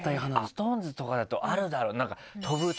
ＳｉｘＴＯＮＥＳとかだとあるだろう。